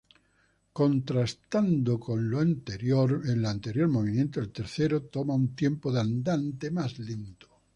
Contrastando con el anterior movimiento, el tercero toma un tiempo de "Andante" más lento.